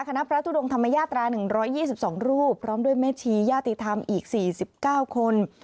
คณะพระทุดงธรรมญาตรา๑๒๒รูปพร้อมด้วยแม่ชีย่าติธรรมอีก๔๙คน